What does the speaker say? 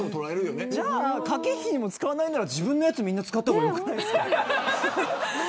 駆け引きにも使わないなら自分のやつみんな使った方が良くないですか。